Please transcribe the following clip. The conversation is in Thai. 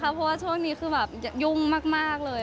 เพราะว่าช่วงนี้คือแบบยุ่งมากเลย